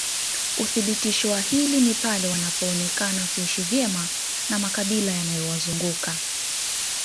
Uthibitisho wa hili ni pale wanapoonekana kuishi vyema na makabila yaliyowazunguka